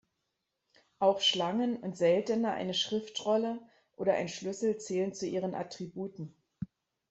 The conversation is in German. Auch Schlangen und seltener eine Schriftrolle oder ein Schlüssel zählen zu ihren Attributen.